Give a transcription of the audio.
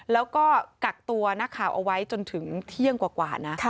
แล้วก็กักตัวนักข่าวเอาไว้จนถึงเที่ยงกว่านะ